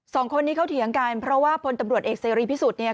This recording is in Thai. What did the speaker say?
สองคนนี้เขาเถียงกันเพราะว่าพลตำรวจเอกเสรีพิสุทธิ์เนี่ย